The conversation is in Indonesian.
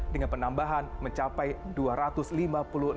dengan penambahan mencapai dua ribu